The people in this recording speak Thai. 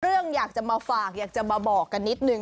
เรื่องอยากจะมาฝากอยากจะมาบอกกันนิดหนึ่ง